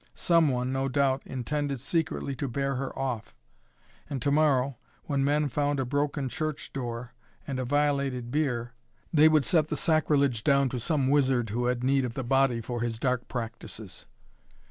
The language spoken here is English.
Some one, no doubt, intended secretly to bear her off. And to morrow, when men found a broken church door and a violated bier, they would set the sacrilege down to some wizard who had need of the body for his dark practices.